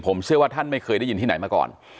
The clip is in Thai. ผมเชื่อว่าท่านไม่เคยได้ยินที่ไหนมาก่อน